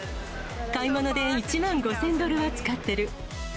買い物で１万５０００ドルは使ってる。